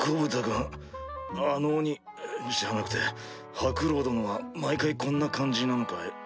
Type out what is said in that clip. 君あの鬼じゃなくてハクロウ殿は毎回こんな感じなのかい？